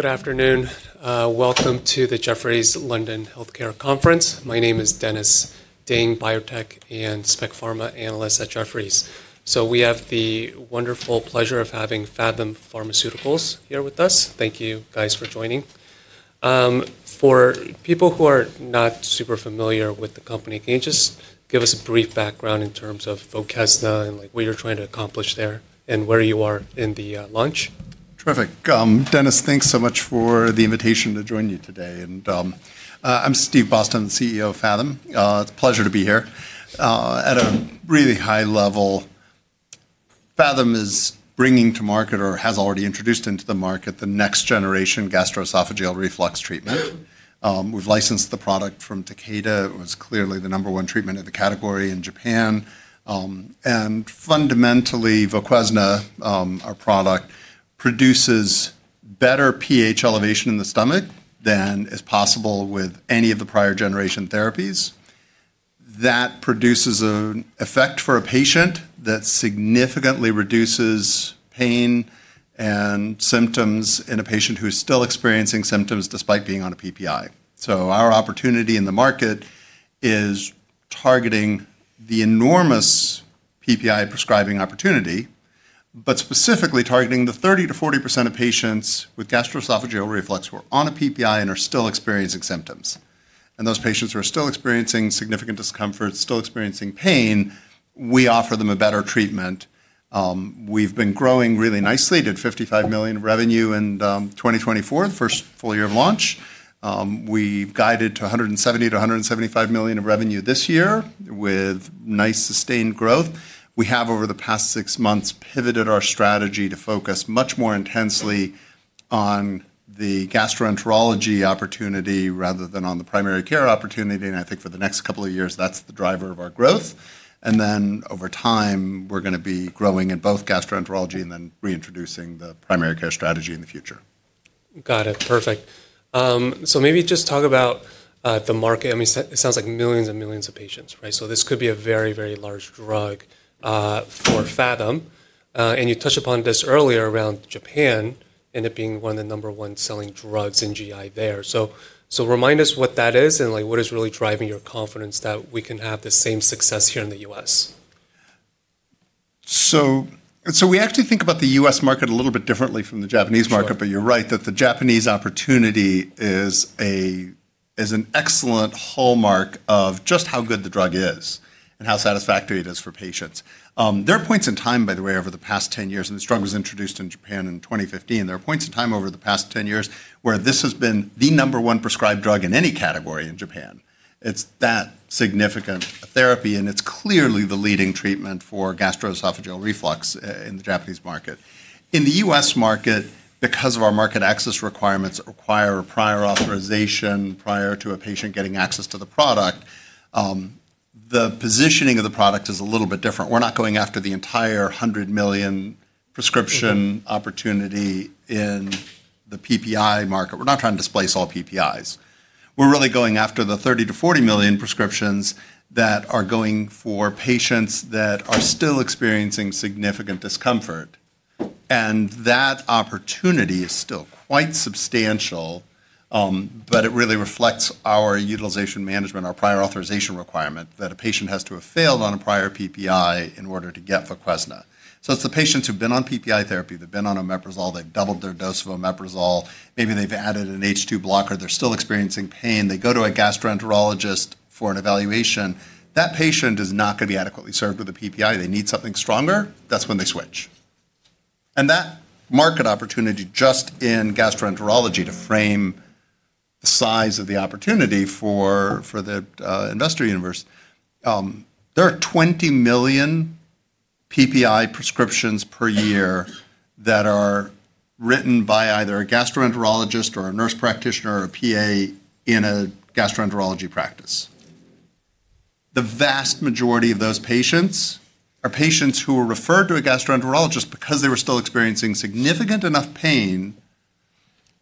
Good afternoon. Welcome to the Jefferies London Healthcare Conference. My name is Dennis Ding, biotech and SpecPharma analyst at Jefferies. We have the wonderful pleasure of having Phathom Pharmaceuticals here with us. Thank you, guys, for joining. For people who are not super familiar with the company, can you just give us a brief background in terms of VOQUEZNA and what you're trying to accomplish there and where you are in the launch? Terrific. Dennis, thanks so much for the invitation to join you today. And I'm Steve Basta, CEO of Phathom. It's a pleasure to be here. At a really high level, Phathom is bringing to market, or has already introduced into the market, the next generation gastroesophageal reflux treatment. We've licensed the product from Takeda. It was clearly the number one treatment in the category in Japan. Fundamentally, VOQUEZNA, our product, produces better pH elevation in the stomach than is possible with any of the prior generation therapies. That produces an effect for a patient that significantly reduces pain and symptoms in a patient who is still experiencing symptoms despite being on a PPI. Our opportunity in the market is targeting the enormous PPI prescribing opportunity, but specifically targeting the 30%-40% of patients with gastroesophageal reflux who are on a PPI and are still experiencing symptoms. Those patients who are still experiencing significant discomfort, still experiencing pain, we offer them a better treatment. We have been growing really nicely. Did $55 million revenue in 2024, the first full year of launch. We have guided to $170 million-$175 million of revenue this year with nice sustained growth. We have, over the past six months, pivoted our strategy to focus much more intensely on the gastroenterology opportunity rather than on the primary care opportunity. I think for the next couple of years, that is the driver of our growth. Over time, we are going to be growing in both gastroenterology and then reintroducing the primary care strategy in the future. Got it. Perfect. Maybe just talk about the market. I mean, it sounds like millions and millions of patients, right? This could be a very, very large drug for Phathom. You touched upon this earlier around Japan and it being one of the number one selling drugs in GI there. Remind us what that is and what is really driving your confidence that we can have the same success here in the U.S. We actually think about the U.S. market a little bit differently from the Japanese market, but you're right that the Japanese opportunity is an excellent hallmark of just how good the drug is and how satisfactory it is for patients. There are points in time, by the way, over the past 10 years, and this drug was introduced in Japan in 2015. There are points in time over the past 10 years where this has been the number one prescribed drug in any category in Japan. It's that significant a therapy, and it's clearly the leading treatment for gastroesophageal reflux in the Japanese market. In the U.S. market, because of our market access requirements, it requires prior authorization prior to a patient getting access to the product. The positioning of the product is a little bit different. We're not going after the entire 100 million prescription opportunity in the PPI market. We're not trying to displace all PPIs. We're really going after the 30-40 million prescriptions that are going for patients that are still experiencing significant discomfort. That opportunity is still quite substantial, but it really reflects our utilization management, our prior authorization requirement that a patient has to have failed on a prior PPI in order to get VOQUEZNA. It's the patients who've been on PPI therapy. They've been on omeprazole. They've doubled their dose of omeprazole. Maybe they've added an H2 blocker. They're still experiencing pain. They go to a gastroenterologist for an evaluation. That patient is not going to be adequately served with a PPI. They need something stronger. That's when they switch. That market opportunity just in gastroenterology, to frame the size of the opportunity for the investor universe, there are 20 million PPI prescriptions per year that are written by either a gastroenterologist or a nurse practitioner or a PA in a gastroenterology practice. The vast majority of those patients are patients who were referred to a gastroenterologist because they were still experiencing significant enough pain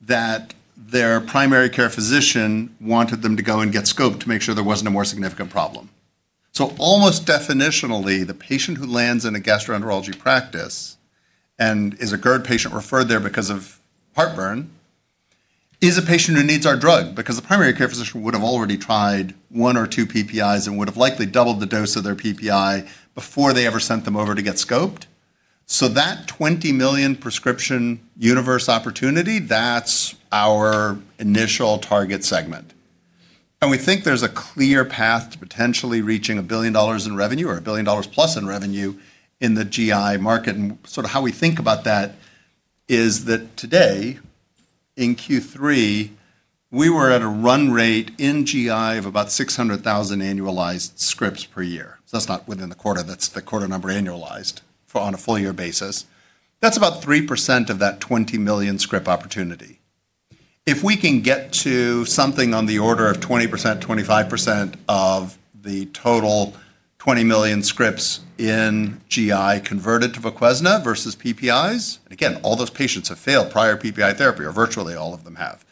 that their primary care physician wanted them to go and get scoped to make sure there was not a more significant problem. Almost definitionally, the patient who lands in a gastroenterology practice and is a GERD patient referred there because of heartburn is a patient who needs our drug because the primary care physician would have already tried one or two PPIs and would have likely doubled the dose of their PPI before they ever sent them over to get scoped. That 20 million prescription universe opportunity, that's our initial target segment. We think there's a clear path to potentially reaching a billion dollars in revenue or a billion dollars plus in revenue in the GI market. Sort of how we think about that is that today in Q3, we were at a run rate in GI of about 600,000 annualized scripts per year. That's not within the quarter. That's the quarter number annualized on a full year basis. That's about 3% of that 20 million script opportunity. If we can get to something on the order of 20%-25% of the total 20 million scripts in GI converted to VOQUEZNA versus PPIs, and again, all those patients have failed prior PPI therapy or virtually all of them have,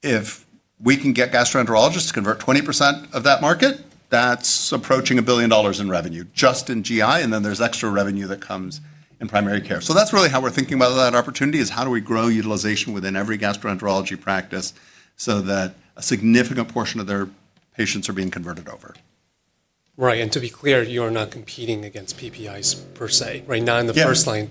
if we can get gastroenterologists to convert 20% of that market, that's approaching $1 billion in revenue just in GI. There is extra revenue that comes in primary care. That is really how we're thinking about that opportunity is how do we grow utilization within every gastroenterology practice so that a significant portion of their patients are being converted over. Right. And to be clear, you are not competing against PPIs per se. Right now in the first line,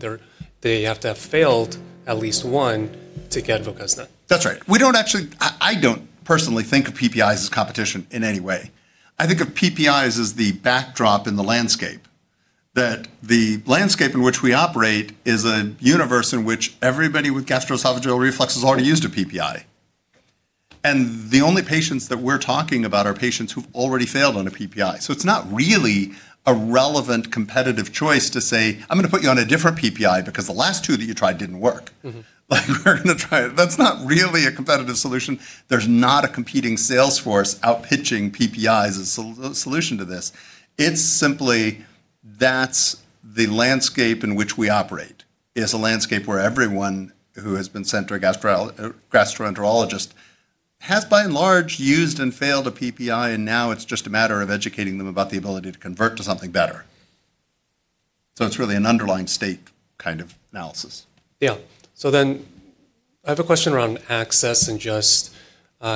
they have to have failed at least one to get VOQUEZNA. That's right. We don't actually, I don't personally think of PPIs as competition in any way. I think of PPIs as the backdrop in the landscape that the landscape in which we operate is a universe in which everybody with gastroesophageal reflux has already used a PPI. And the only patients that we're talking about are patients who've already failed on a PPI. So it's not really a relevant competitive choice to say, "I'm going to put you on a different PPI because the last two that you tried didn't work." We're going to try it. That's not really a competitive solution. There's not a competing sales force outpitching PPIs as a solution to this. It's simply that the landscape in which we operate is a landscape where everyone who has been sent to a gastroenterologist has by and large used and failed a PPI, and now it's just a matter of educating them about the ability to convert to something better. It's really an underlying state kind of analysis. Yeah. So then I have a question around access and just,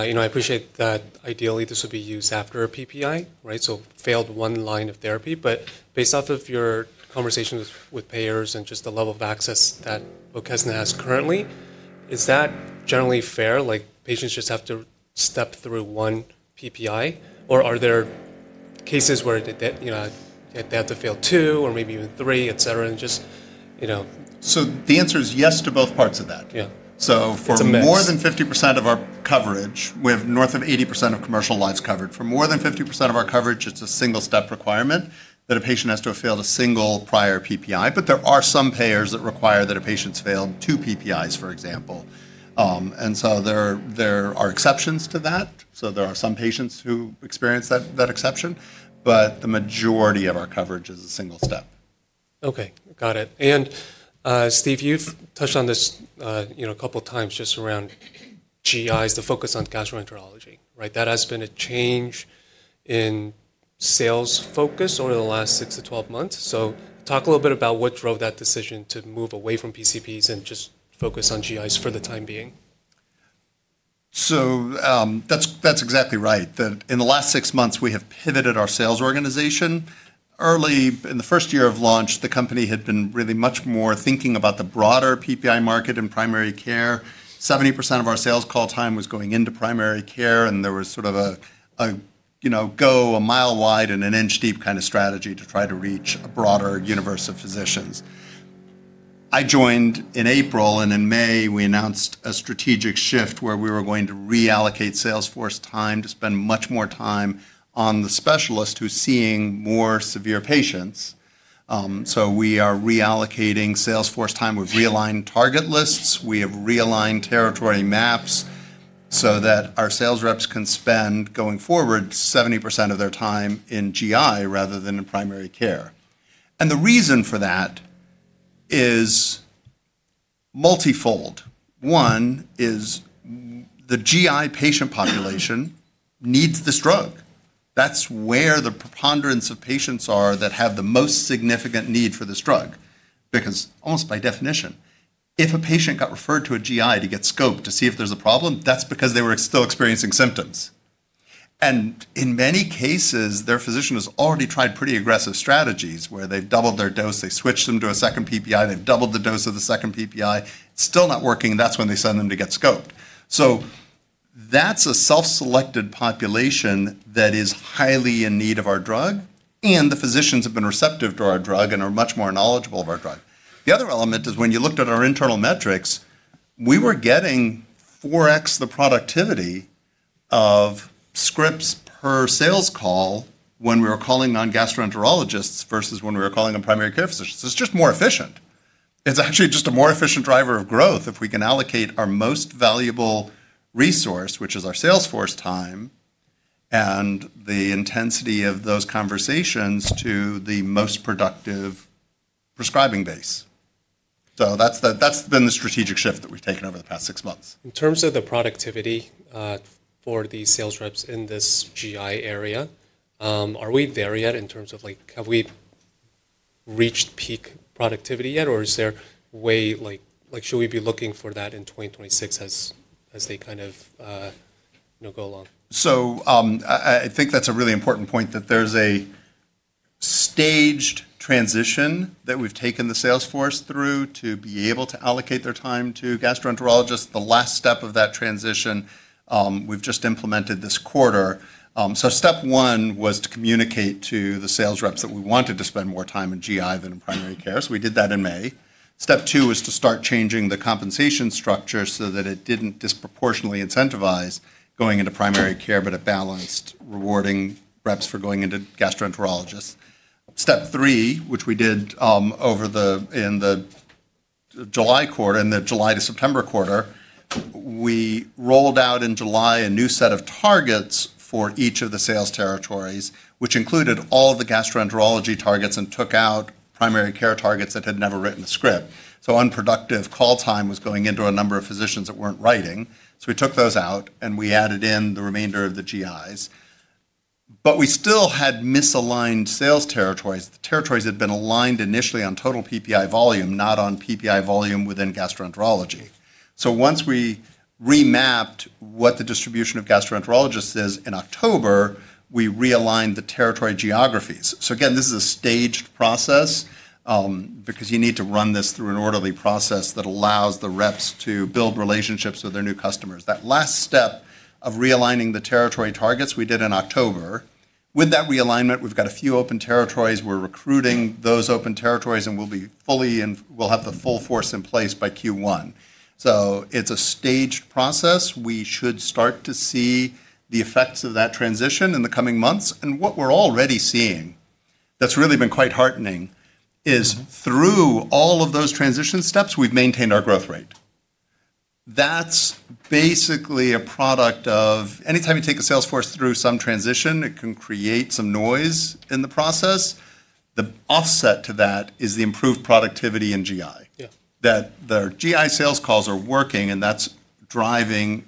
you know, I appreciate that ideally this would be used after a PPI, right? So failed one line of therapy. But based off of your conversations with payers and just the level of access that VOQUEZNA has currently, is that generally fair? Like patients just have to step through one PPI, or are there cases where they have to fail two or maybe even three, et cetera, and just, you know. The answer is yes to both parts of that. Yeah. For more than 50% of our coverage, we have north of 80% of commercial lives covered. For more than 50% of our coverage, it's a single step requirement that a patient has to have failed a single prior PPI. There are some payers that require that a patient's failed two PPIs, for example. There are exceptions to that. There are some patients who experience that exception, but the majority of our coverage is a single step. Okay. Got it. Steve, you've touched on this a couple of times just around GIs, the focus on gastroenterology, right? That has been a change in sales focus over the last 6 to 12 months. Talk a little bit about what drove that decision to move away from PCPs and just focus on GIs for the time being. That's exactly right. In the last six months, we have pivoted our sales organization. Early in the first year of launch, the company had been really much more thinking about the broader PPI market in primary care. 70% of our sales call time was going into primary care, and there was sort of a go, a mile wide and an inch deep kind of strategy to try to reach a broader universe of physicians. I joined in April, and in May, we announced a strategic shift where we were going to reallocate Salesforce time to spend much more time on the specialist who's seeing more severe patients. We are reallocating Salesforce time. We've realigned target lists. We have realigned territory maps so that our sales reps can spend going forward 70% of their time in GI rather than in primary care. The reason for that is multi-fold. One is the GI patient population needs this drug. That's where the preponderance of patients are that have the most significant need for this drug because almost by definition, if a patient got referred to a GI to get scoped to see if there's a problem, that's because they were still experiencing symptoms. In many cases, their physician has already tried pretty aggressive strategies where they've doubled their dose. They switched them to a second PPI. They've doubled the dose of the second PPI. It's still not working. That's when they send them to get scoped. That's a self-selected population that is highly in need of our drug, and the physicians have been receptive to our drug and are much more knowledgeable of our drug. The other element is when you looked at our internal metrics, we were getting 4x the productivity of scripts per sales call when we were calling on gastroenterologists versus when we were calling on primary care physicians. It's just more efficient. It's actually just a more efficient driver of growth if we can allocate our most valuable resource, which is our Salesforce time and the intensity of those conversations to the most productive prescribing base. That has been the strategic shift that we've taken over the past six months. In terms of the productivity for the sales reps in this GI area, are we there yet in terms of like have we reached peak productivity yet, or is there way like, should we be looking for that in 2026 as they kind of go along? I think that's a really important point that there's a staged transition that we've taken the Salesforce through to be able to allocate their time to gastroenterologists. The last step of that transition, we've just implemented this quarter. Step one was to communicate to the sales reps that we wanted to spend more time in GI than in primary care. We did that in May. Step two was to start changing the compensation structure so that it didn't disproportionately incentivize going into primary care, but it balanced rewarding reps for going into gastroenterologists. Step three, which we did in the July quarter and the July to September quarter, we rolled out in July a new set of targets for each of the sales territories, which included all the gastroenterology targets and took out primary care targets that had never written a script. Unproductive call time was going into a number of physicians that were not writing. We took those out and we added in the remainder of the GIs. We still had misaligned sales territories. The territories had been aligned initially on total PPI volume, not on PPI volume within gastroenterology. Once we remapped what the distribution of gastroenterologists is in October, we realigned the territory geographies. This is a staged process because you need to run this through an orderly process that allows the reps to build relationships with their new customers. That last step of realigning the territory targets we did in October. With that realignment, we have a few open territories. We are recruiting those open territories and we will have the full force in place by Q1. It is a staged process. We should start to see the effects of that transition in the coming months. What we're already seeing that's really been quite heartening is through all of those transition steps, we've maintained our growth rate. That's basically a product of anytime you take a Salesforce through some transition, it can create some noise in the process. The offset to that is the improved productivity in GI. The GI sales calls are working and that's driving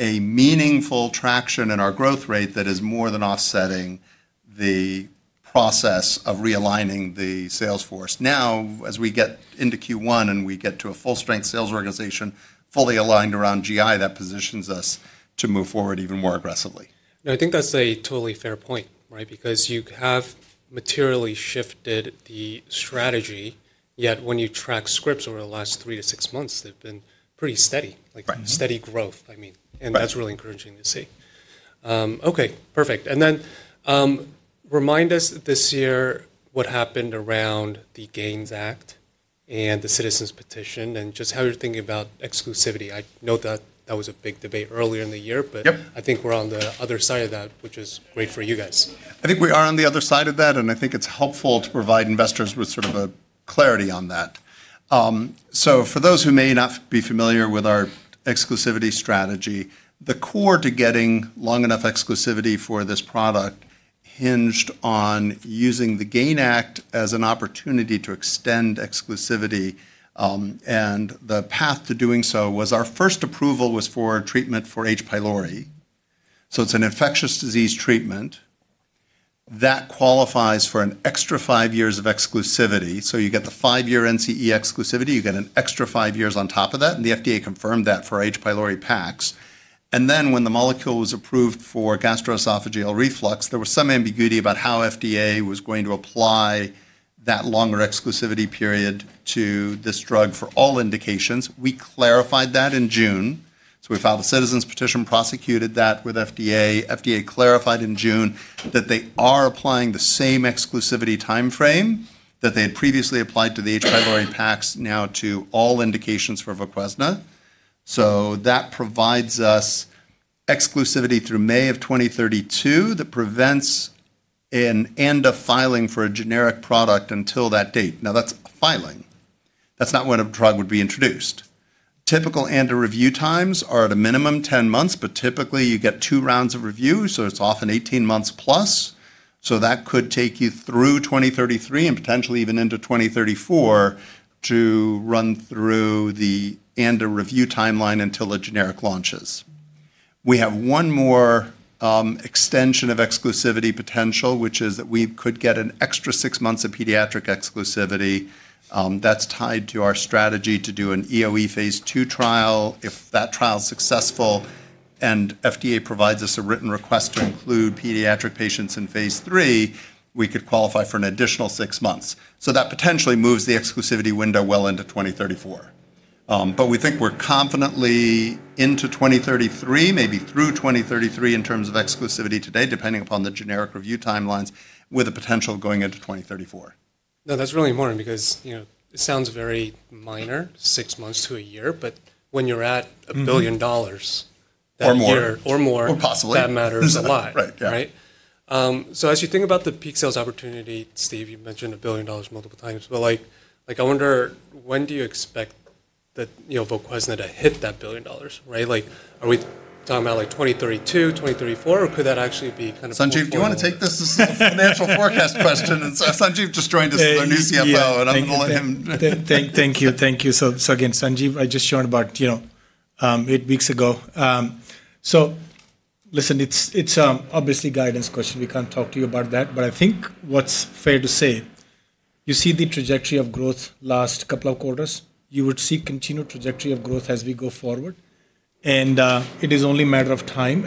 a meaningful traction in our growth rate that is more than offsetting the process of realigning the Salesforce. Now, as we get into Q1 and we get to a full strength sales organization fully aligned around GI, that positions us to move forward even more aggressively. I think that's a totally fair point, right? Because you have materially shifted the strategy, yet when you track scripts over the last three to six months, they've been pretty steady, like steady growth, I mean. And that's really encouraging to see. Okay, perfect. Then remind us this year what happened around the GAINS Act and the Citizen Petition and just how you're thinking about exclusivity. I know that that was a big debate earlier in the year, but I think we're on the other side of that, which is great for you guys. I think we are on the other side of that, and I think it's helpful to provide investors with sort of a clarity on that. For those who may not be familiar with our exclusivity strategy, the core to getting long enough exclusivity for this product hinged on using the GAINS Act as an opportunity to extend exclusivity. The path to doing so was our first approval was for treatment for H. pylori. It's an infectious disease treatment that qualifies for an extra five years of exclusivity. You get the five-year NCE exclusivity, you get an extra five years on top of that, and the FDA confirmed that for H. pylori PAKs. When the molecule was approved for gastroesophageal reflux, there was some ambiguity about how FDA was going to apply that longer exclusivity period to this drug for all indications. We clarified that in June. So we filed a citizens petition, prosecuted that with FDA. FDA clarified in June that they are applying the same exclusivity timeframe that they had previously applied to the H. pylori PAKs now to all indications for VOQUEZNA. So that provides us exclusivity through May of 2032 that prevents an end of filing for a generic product until that date. Now that's filing. That's not when a drug would be introduced. Typical end of review times are at a minimum 10 months, but typically you get two rounds of review, so it's often 18 months plus. So that could take you through 2033 and potentially even into 2034 to run through the end of review timeline until a generic launches. We have one more extension of exclusivity potential, which is that we could get an extra six months of pediatric exclusivity. That's tied to our strategy to do an EoE phase two trial. If that trial's successful and FDA provides us a written request to include pediatric patients in phase three, we could qualify for an additional six months. That potentially moves the exclusivity window well into 2034. We think we're confidently into 2033, maybe through 2033 in terms of exclusivity today, depending upon the generic review timelines with a potential going into 2034. No, that's really important because it sounds very minor, six months to a year, but when you're at a billion dollars. Or more. Or more. Or possibly. That matters a lot, right? So as you think about the peak sales opportunity, Steve, you mentioned a billion dollars multiple times, but like I wonder when do you expect that VOQUEZNA to hit that billion dollars, right? Like are we talking about like 2032, 2034, or could that actually be kind of. Sanjeev, do you want to take this as a financial forecast question? Sanjeev just joined as the new CFO, and I'm going to let him. Thank you. Thank you. Again, Sanjeev, I just joined about eight weeks ago. Listen, it's obviously a guidance question. We can't talk to you about that, but I think what's fair to say, you see the trajectory of growth last couple of quarters. You would see continued trajectory of growth as we go forward, and it is only a matter of time.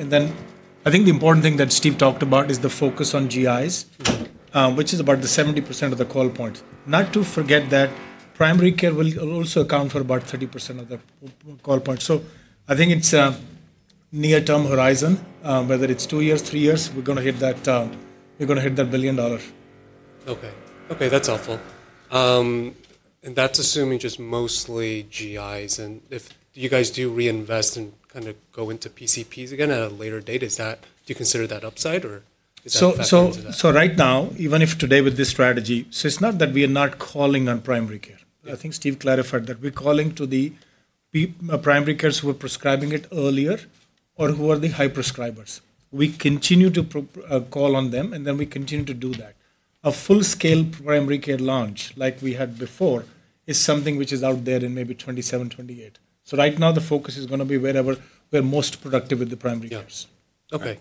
I think the important thing that Steve talked about is the focus on GIs, which is about 70% of the call points. Not to forget that primary care will also account for about 30% of the call points. I think it's a near-term horizon, whether it's two years, three years, we're going to hit that, we're going to hit that billion dollars. Okay. Okay, that's helpful. That's assuming just mostly GIs. If you guys do reinvest and kind of go into PCPs again at a later date, do you consider that upside or is that? Right now, even if today with this strategy, it's not that we are not calling on primary care. I think Steve clarified that we're calling to the primary cares who are prescribing it earlier or who are the high prescribers. We continue to call on them, and then we continue to do that. A full-scale primary care launch like we had before is something which is out there in maybe 2027, 2028. Right now the focus is going to be wherever we're most productive with the primary cares. Okay.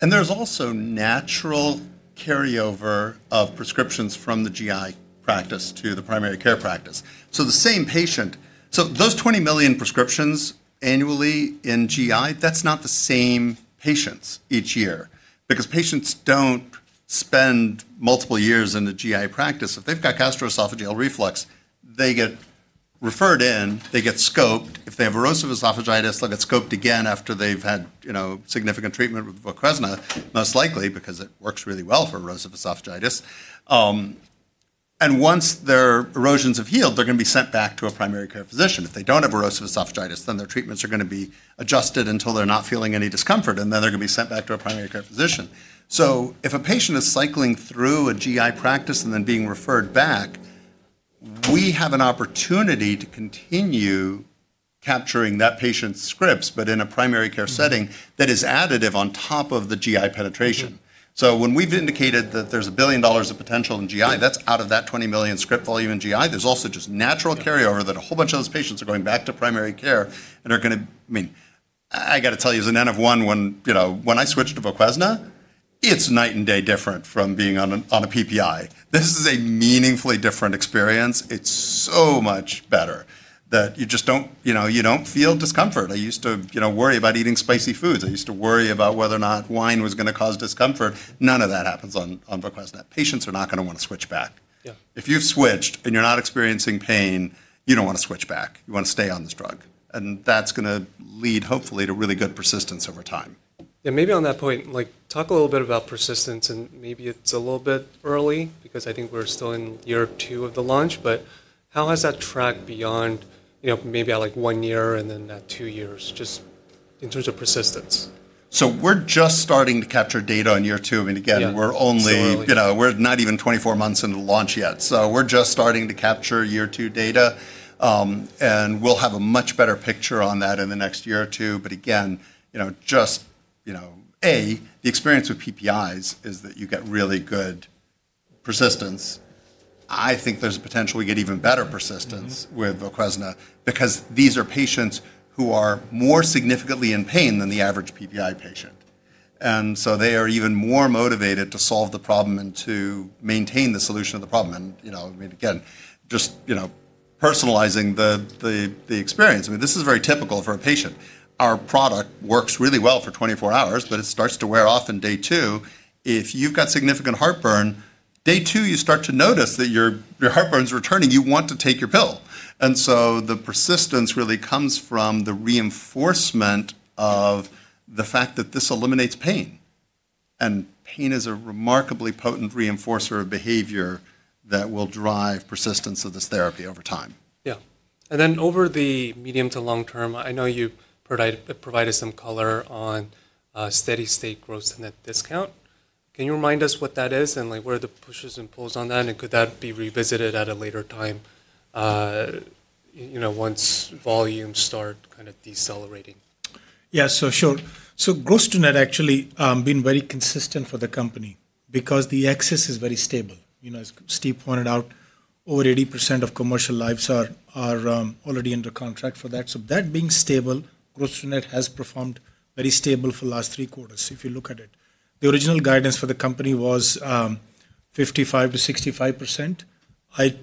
There's also natural carryover of prescriptions from the GI practice to the primary care practice. The same patient, those 20 million prescriptions annually in GI, that's not the same patients each year because patients do not spend multiple years in the GI practice. If they've got gastroesophageal reflux, they get referred in, they get scoped. If they have Erosive Esophagitis, they'll get scoped again after they've had significant treatment with VOQUEZNA, most likely because it works really well for Erosive Esophagitis. Once their erosions have healed, they're going to be sent back to a primary care physician. If they do not have Erosive Esophagitis, then their treatments are going to be adjusted until they're not feeling any discomfort, and then they're going to be sent back to a primary care physician. If a patient is cycling through a GI practice and then being referred back, we have an opportunity to continue capturing that patient's scripts, but in a primary care setting that is additive on top of the GI penetration. When we've indicated that there's a billion dollars of potential in GI, that's out of that 20 million script volume in GI. There's also just natural carryover that a whole bunch of those patients are going back to primary care and are going to, I mean, I got to tell you as an NF1, when I switched to VOQUEZNA, it's night and day different from being on a PPI. This is a meaningfully different experience. It's so much better that you just don't feel discomfort. I used to worry about eating spicy foods. I used to worry about whether or not wine was going to cause discomfort. None of that happens on VOQUEZNA. Patients are not going to want to switch back. If you've switched and you're not experiencing pain, you don't want to switch back. You want to stay on this drug. That is going to lead hopefully to really good persistence over time. Maybe on that point, like talk a little bit about persistence and maybe it's a little bit early because I think we're still in year two of the launch, but how has that tracked beyond maybe at like one year and then at two years just in terms of persistence? We're just starting to capture data on year two. I mean, again, we're only, we're not even 24 months into the launch yet. We're just starting to capture year two data, and we'll have a much better picture on that in the next year or two. Again, just A, the experience with PPIs is that you get really good persistence. I think there's a potential we get even better persistence with VOQUEZNA because these are patients who are more significantly in pain than the average PPI patient. They are even more motivated to solve the problem and to maintain the solution of the problem. Again, just personalizing the experience. I mean, this is very typical for a patient. Our product works really well for 24 hours, but it starts to wear off in day two. If you've got significant heartburn, day two, you start to notice that your heartburn's returning, you want to take your pill. The persistence really comes from the reinforcement of the fact that this eliminates pain. Pain is a remarkably potent reinforcer of behavior that will drive persistence of this therapy over time. Yeah. And then over the medium to long term, I know you provided some color on steady state growth and that discount. Can you remind us what that is and where the pushes and pulls on that? Could that be revisited at a later time once volumes start kind of decelerating? Yeah, sure. Gross-to-Net actually has been very consistent for the company because the access is very stable. As Steve pointed out, over 80% of commercial lives are already under contract for that. That being stable, Gross-to-Net has performed very stable for the last three quarters if you look at it. The original guidance for the company was 55-65%. I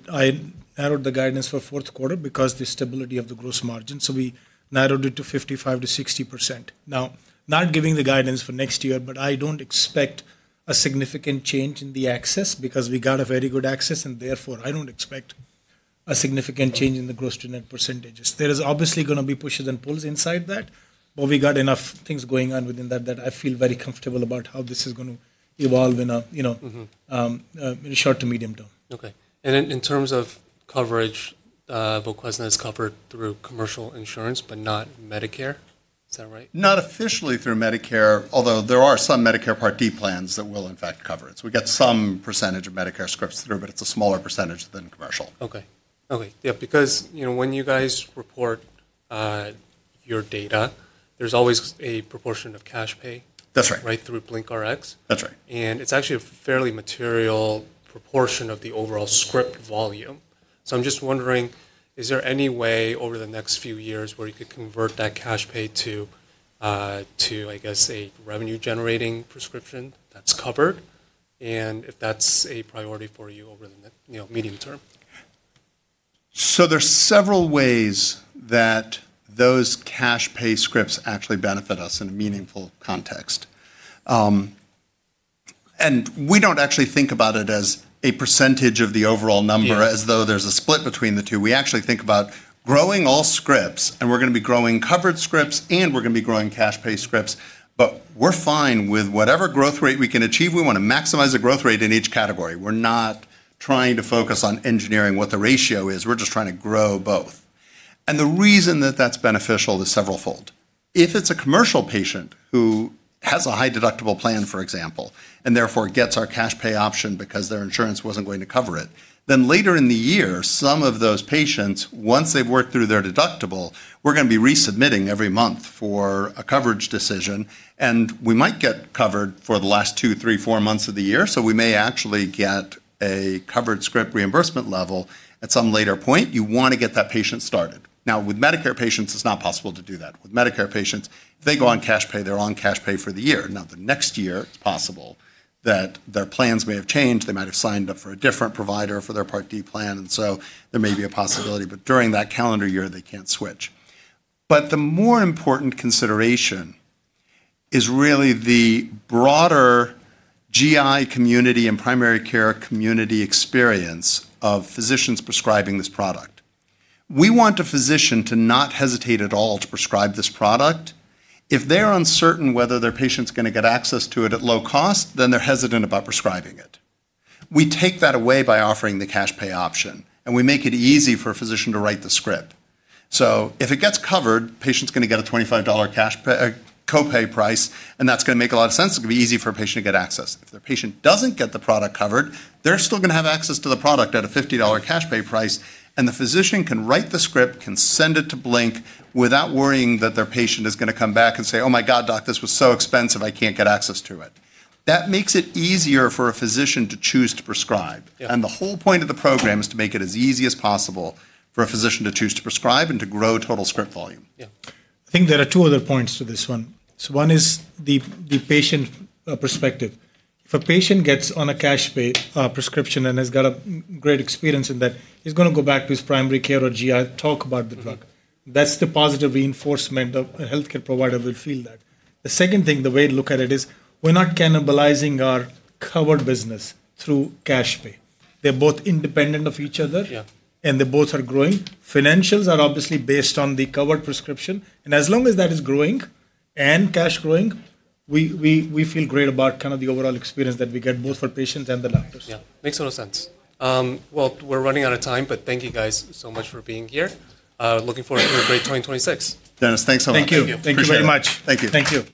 narrowed the guidance for fourth quarter because of the stability of the gross margin. We narrowed it to 55-60%. Now, not giving the guidance for next year, but I do not expect a significant change in the access because we got very good access and therefore I do not expect a significant change in the Gross-to-Net percentages. There is obviously going to be pushes and pulls inside that, but we got enough things going on within that that I feel very comfortable about how this is going to evolve in a short to medium term. Okay. And in terms of coverage, VOQUEZNA is covered through commercial insurance, but not Medicare. Is that right? Not officially through Medicare, although there are some Medicare Part D plans that will in fact cover it. We get some percentage of Medicare scripts through, but it's a smaller percentage than commercial. Okay. Okay. Yeah. Because when you guys report your data, there's always a proportion of cash pay. That's right. Right through BlinkRx. That's right. It's actually a fairly material proportion of the overall script volume. I'm just wondering, is there any way over the next few years where you could convert that cash pay to, I guess, a revenue-generating prescription that's covered? And if that's a priority for you over the medium term. There are several ways that those cash pay scripts actually benefit us in a meaningful context. We do not actually think about it as a percentage of the overall number as though there is a split between the two. We actually think about growing all scripts, and we are going to be growing covered scripts, and we are going to be growing cash pay scripts, but we are fine with whatever growth rate we can achieve. We want to maximize the growth rate in each category. We are not trying to focus on engineering what the ratio is. We are just trying to grow both. The reason that is beneficial is several-fold. If it's a commercial patient who has a high deductible plan, for example, and therefore gets our cash pay option because their insurance wasn't going to cover it, then later in the year, some of those patients, once they've worked through their deductible, we're going to be resubmitting every month for a coverage decision, and we might get covered for the last two, three, four months of the year. We may actually get a covered script reimbursement level at some later point. You want to get that patient started. Now, with Medicare patients, it's not possible to do that. With Medicare patients, if they go on cash pay, they're on cash pay for the year. The next year, it's possible that their plans may have changed. They might have signed up for a different provider for their Part D plan, and so there may be a possibility, but during that calendar year, they can't switch. The more important consideration is really the broader GI community and primary care community experience of physicians prescribing this product. We want a physician to not hesitate at all to prescribe this product. If they're uncertain whether their patient's going to get access to it at low cost, then they're hesitant about prescribing it. We take that away by offering the cash pay option, and we make it easy for a physician to write the script. If it gets covered, the patient's going to get a $25 copay price, and that's going to make a lot of sense. It's going to be easy for a patient to get access. If the patient doesn't get the product covered, they're still going to have access to the product at a $50 cash pay price, and the physician can write the script, can send it to BlinkRx without worrying that their patient is going to come back and say, "Oh my God, doc, this was so expensive. I can't get access to it." That makes it easier for a physician to choose to prescribe. The whole point of the program is to make it as easy as possible for a physician to choose to prescribe and to grow total script volume. Yeah. I think there are two other points to this one. One is the patient perspective. If a patient gets on a cash pay prescription and has got a great experience in that, he's going to go back to his primary care or GI, talk about the drug. That's the positive reinforcement a healthcare provider will feel. The second thing, the way to look at it is we're not cannibalizing our covered business through cash pay. They're both independent of each other, and they both are growing. Financials are obviously based on the covered prescription. As long as that is growing and cash growing, we feel great about kind of the overall experience that we get both for patients and the doctors. Yeah. Makes total sense. We're running out of time, but thank you guys so much for being here. Looking forward to a great 2026. Dennis, thanks so much. Thank you. Thank you very much. Thank you. Thank you.